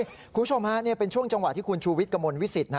คุณผู้ชมฮะนี่เป็นช่วงจังหวะที่คุณชูวิทย์กระมวลวิสิต